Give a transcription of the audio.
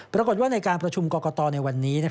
ปรากฏว่าในการประชุมกรกตในวันนี้